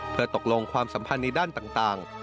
เพื่อตกลงความสัมพันธ์ในด้านต่าง